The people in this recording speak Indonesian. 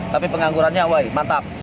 tapi penganggurannya woy mantap